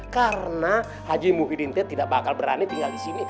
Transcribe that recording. karena haji muhyiddin tidak bakal berani tinggal disini